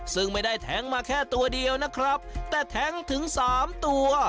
ซึ่งไม่ได้แท้งมาแค่ตัวเดียวนะครับแต่แท้งถึงสามตัว